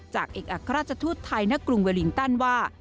เอกอัครราชทูตไทยณกรุงเวลิงตันว่า